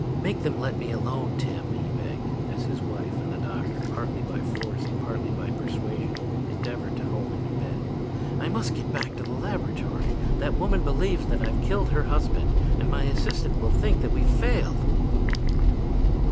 "'Make them let me alone. Tim,' he begged, as his wife and the doctor, partly by force and partly by persuasion, endeavored to hold him in bed. 'I must get back to the laboratory. That woman believes that I've killed her husband, and my assistant will think that we've failed.'